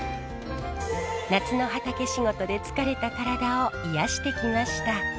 夏の畑仕事で疲れた体を癒やしてきました。